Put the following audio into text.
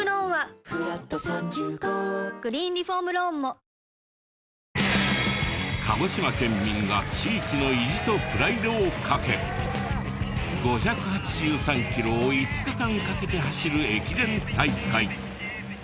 「ブローネ」「ルミエスト」鹿児島県民が地域の意地とプライドをかけ５８３キロを５日間かけて走る駅伝大会。